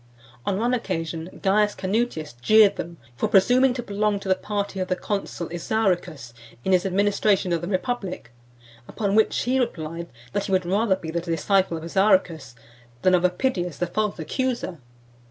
On one occasion Caius Canutius jeered them for presuming to belong to the party of the consul Isauricus in his administration of the republic; upon which he replied, that he would rather be the disciple of Isauricus, than of Epidius, the false accuser.